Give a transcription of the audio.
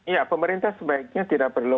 ya pemerintah sebaiknya tidak perlu